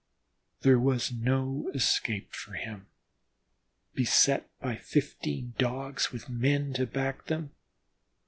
There was no escape for him, beset by fifteen Dogs with men to back them.